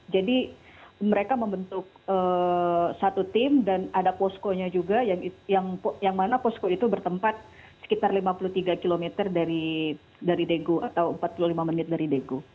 jadi mereka membentuk satu tim dan ada posko nya juga yang mana posko itu bertempat sekitar lima puluh tiga km dari daegu atau empat puluh lima menit dari daegu